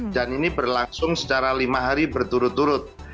dan ini berlangsung secara lima hari berturut turut